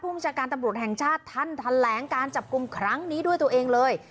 ผู้จักรการตำบิโมชาติแห่งชาติท่านทันแหลงการจับกลุ่มครั้งนี้ด้วยตัวเองเลย